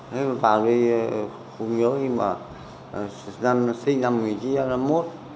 nếu vào đây không nhớ nhưng mà sinh năm một nghìn chín trăm ba mươi một